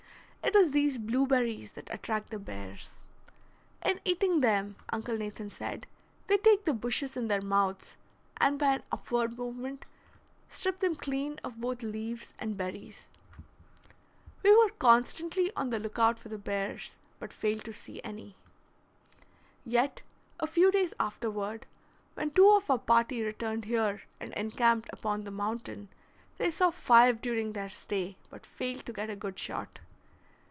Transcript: It is these blueberries that attract the bears. In eating them, Uncle Nathan said, they take the bushes in their mouths, and by an upward movement strip them clean of both leaves and berries. We were constantly on the lookout for the bears, but failed to see any. Yet a few days afterward, when two of our party returned here and encamped upon the mountain, they saw five during their stay, but failed to get a good shot.